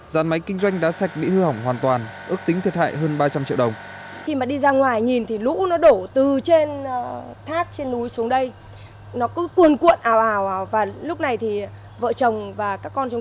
gian máy kinh doanh đá sạch bị hư hỏng hoàn toàn ước tính thiệt hại hơn ba trăm linh triệu đồng